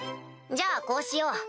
じゃあこうしよう。